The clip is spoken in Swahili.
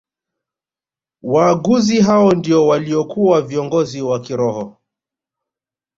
Waaguzi hao ndio waliokuwa viongozi wa kiroho